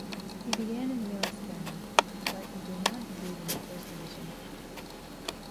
He began in Real Espana, but he did not debut in the first division.